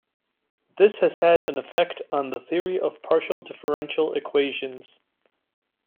This has had an effect on the theory of partial differential equations.